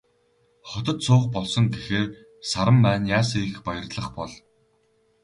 Хотод суух болсон гэхээр Саран маань яасан их баярлах бол.